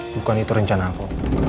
bukan itu rencana aku